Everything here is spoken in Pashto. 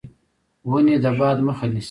ونې د باد مخه نیسي.